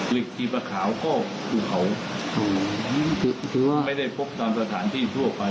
เหล็กขีปะขาวก็คือเขาไม่ได้พบตามสถานที่ทั่วไป